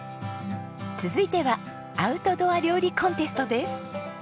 続いてはアウトドア料理コンテストです。